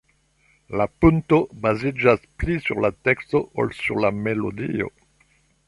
La "punto" baziĝas pli sur la teksto ol sur la melodio.